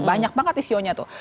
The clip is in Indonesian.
banyak banget sih shou nya tuh